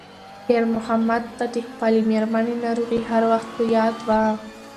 خیر محمد ته د خپلې مېرمنې ناروغي هر وخت په یاد وه.